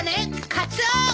カツオ！